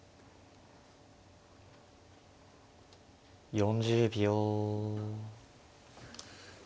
４０秒。